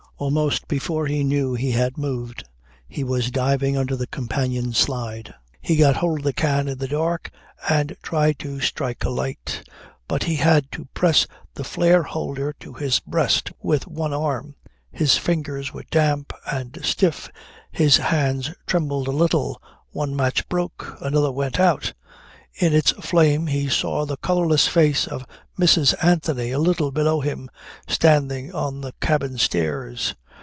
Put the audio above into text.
Almost before he knew he had moved he was diving under the companion slide. He got hold of the can in the dark and tried to strike a light. But he had to press the flare holder to his breast with one arm, his fingers were damp and stiff, his hands trembled a little. One match broke. Another went out. In its flame he saw the colourless face of Mrs. Anthony a little below him, standing on the cabin stairs.